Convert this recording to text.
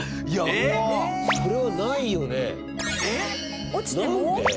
それはないよね。